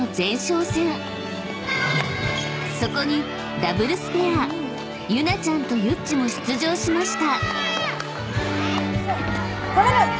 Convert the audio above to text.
［そこにダブルスペアユナちゃんとユッチも出場しました］